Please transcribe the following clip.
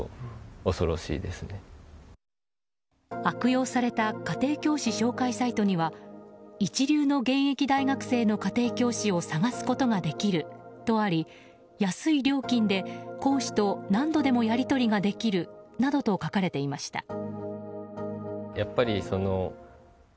悪用された家庭教師紹介サイトには一流の現役大学生の家庭教師を探すことができるとあり安い料金で講師と何度でもやり取りができるなどと書かれていました。